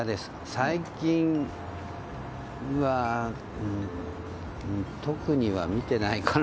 最近は、特には見てないかな。